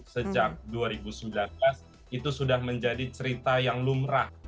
sejak dua ribu sembilan belas itu sudah menjadi cerita yang lumrah